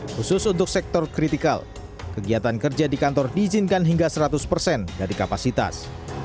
khusus untuk sektor kritikal kegiatan kerja di kantor diizinkan hingga seratus persen dari kapasitas